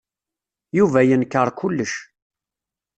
Yuba yenkeṛ kullec.